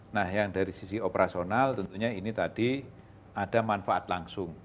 nah yang dari sisi operasional tentunya ini tadi ada manfaat langsung